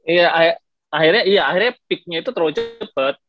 iya akhirnya iya akhirnya picknya itu terlalu cepet